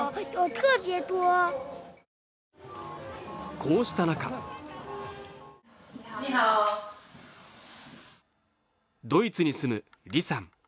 こうした中ドイツに住む李さん。